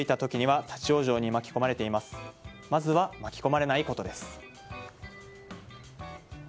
まずは、巻き込まれないことです。